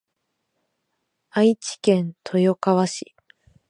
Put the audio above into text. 愛知県豊川市